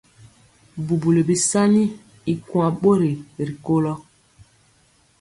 Bubuli bisaani y kuan bori rikolo.